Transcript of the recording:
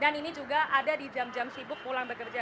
dan ini juga ada di jam jam sibuk pulang bekerja